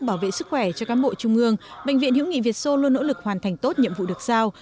bảo vệ sức khỏe cho cán bộ trung ương bệnh viện hữu nghị việt sô luôn nỗ lực hoàn thành tốt nhiệm vụ được giao